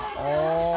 あ。